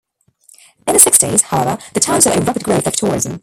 In the sixties, however the town saw a rapid growth of tourism.